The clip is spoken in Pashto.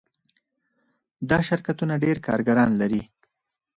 دا شرکتونه ډیر کارګران لري.